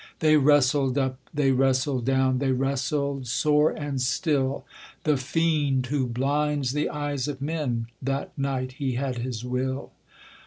They wrestled up, they wrestled down, They wrestled sore and still, The fiend who blinds the eyes of men That night he had his will.